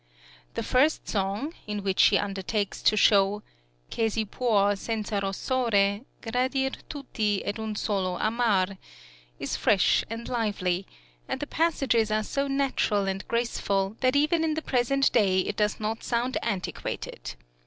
The first song (6) in which she undertakes to show Che si puö senza rossore Gradir tutti ed un solo amar, is fresh and lively, and the passages are so natural and graceful, that even in the present day it does not sound {ROSINE, CASSANDRO.} (79) antiquated.